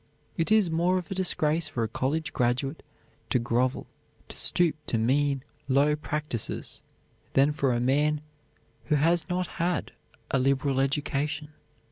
It is more of a disgrace for a college graduate to grovel, to stoop to mean, low practises, than for a man who has not had a liberal education.